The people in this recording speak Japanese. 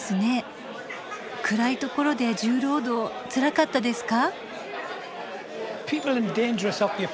暗いところで重労働つらかったですか？